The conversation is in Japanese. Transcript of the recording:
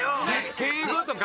敬語とか。